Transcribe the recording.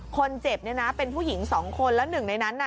คนเจ็บเป็นผู้หญิง๒คนและหนึ่งในนั้น